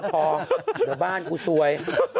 พอเดี๋ยวบ้านกูซวย